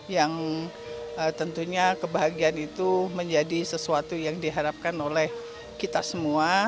yang tentunya kebahagiaan itu menjadi sesuatu yang diharapkan oleh kita semua